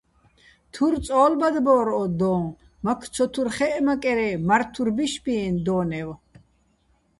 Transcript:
თურ წო́ლბადბო́რ ო დოჼ, მაქ ცოთურ ხე́ჸმაკერე́ მარდ თურ ბიშბიეჼ დო́ნევ.